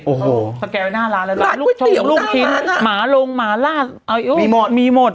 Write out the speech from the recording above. โอ้โหร้านกุ้ยเตี๋ยวร้านอะมีหมด